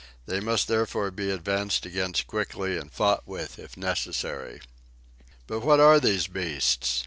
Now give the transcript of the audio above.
They must therefore be advanced against quickly and fought with if necessary. "But what are these beasts?"